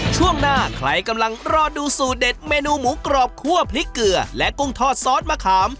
ช่วงหน้าใครกำลังรอดูสูตรเด็ดเมนูหมูกรอบคั่วพริกเกลือและกุ้งทอดซอสมะขาม